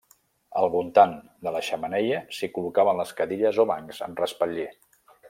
Al voltant de la xemeneia s'hi col·locaven les cadires o bancs amb respatller.